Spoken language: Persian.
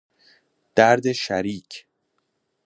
درد شریک